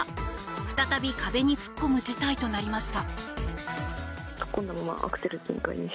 再び壁に突っ込む事態となりました。